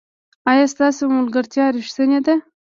ایا ستاسو ملګرتیا ریښتینې ده؟